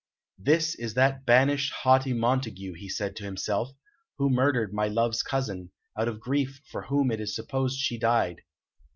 "This is that banished, haughty Montague," he said to himself, "who murdered my love's cousin, out of grief for whom it is supposed she died.